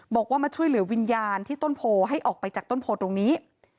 บอกว่ามาช่วยเหลือวิญญาณที่ต้นโพให้ออกไปจากต้นโพตรงนี้